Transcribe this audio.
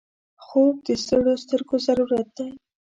خوب د ستړیو سترګو ضرورت دی